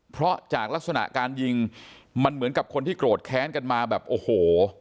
เพราะจากลักษณะการยิงมันเหมือนกับคนที่โกรธแค้นกันมาแบบโอ้โห